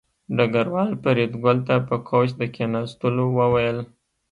ډګروال فریدګل ته په کوچ د کېناستلو وویل